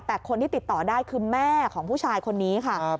แต่คนที่ติดต่อได้คือแม่ของผู้ชายคนนี้ค่ะ